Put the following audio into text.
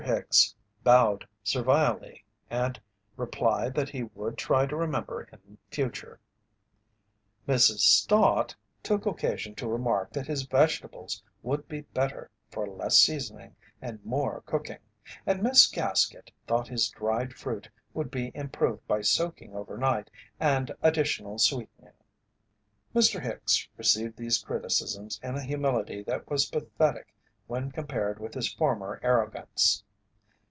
Hicks bowed servilely and replied that he would try to remember in future. Mrs. Stott took occasion to remark that his vegetables would be better for less seasoning and more cooking, and Miss Gaskett thought his dried fruit would be improved by soaking over night and additional sweetening. Mr. Hicks received these criticisms in a humility that was pathetic when compared with his former arrogance.